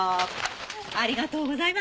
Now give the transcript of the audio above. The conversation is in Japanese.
ありがとうございます。